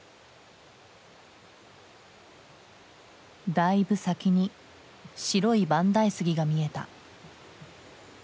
だいぶ先に白い万代杉が見えた。